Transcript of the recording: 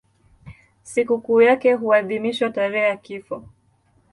Sikukuu yake huadhimishwa tarehe ya kifo.